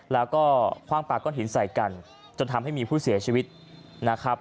แล้วก็คว่างปากก้อนหินใส่กันจนทำให้มีผู้เสียชีวิตนะครับ